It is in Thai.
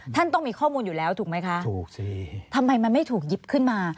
ท่านต้องมีข้อมูลอยู่แล้วถูกไหมคะถูกสิทำไมมันไม่ถูกหยิบขึ้นมา